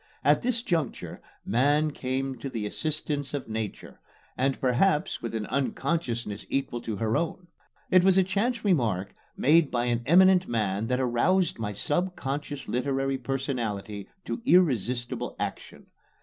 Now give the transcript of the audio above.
At this juncture Man came to the assistance of Nature, and perhaps with an unconsciousness equal to her own. It was a chance remark made by an eminent man that aroused my subconscious literary personality to irresistible action.